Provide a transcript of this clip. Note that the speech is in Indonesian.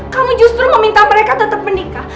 kamu justru meminta mereka tetap menikah